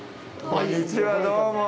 こんにちは。